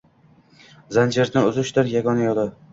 Zanjirni uzishdir yagona o’yi.